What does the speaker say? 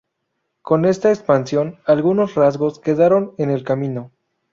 Con esta expansión, algunos rasgos quedaron en el camino.